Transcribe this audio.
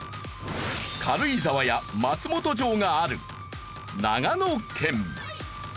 軽井沢や松本城がある長野県。